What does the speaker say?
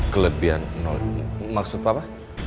kelebihan nol maksud papa